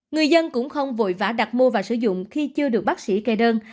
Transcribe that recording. người dân cũng không vội vã đặt mua và sử dụng khi chưa được bác sĩ kê đơn